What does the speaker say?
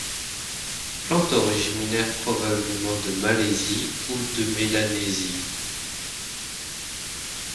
Plante originaire probablement de Malaisie ou de Mélanésie.